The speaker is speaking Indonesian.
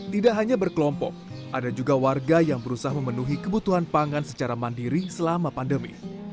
tidak hanya berkelompok ada juga warga yang berusaha memenuhi kebutuhan pangan secara mandiri selama pandemi